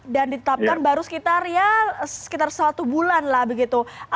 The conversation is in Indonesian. dan ditetapkan baru sekitar ya sekitar satu bulan lah begitu